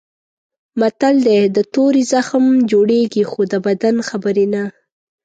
متل دی: د تورې زخم جوړېږي خو د بدې خبرې نه.